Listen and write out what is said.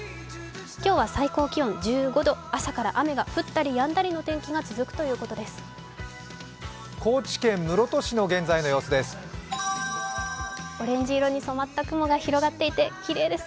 今日は最高気温１５度、朝から雨が降ったりやんだりの天気が続くということです。